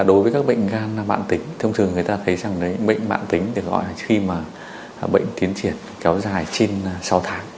đối với các bệnh gan mạn tính thông thường người ta thấy rằng những bệnh mạn tính được gọi là khi mà bệnh tiến triển kéo dài trên sáu tháng